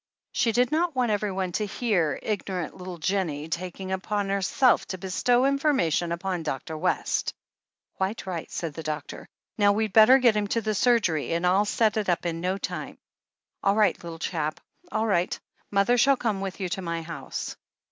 She did not want everyone to hear ignorant little Jennie taking it upon herself to bestow information upon Dr. West. "Quite right," said the doctor. "Now we'd better get him to the surgery, and I'll set it in no time. All right, little chap, all right — smother shall come with you to my house."